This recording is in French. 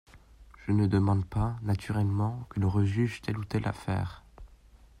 Je ne demande pas, naturellement, que l’on rejuge telle ou telle affaire.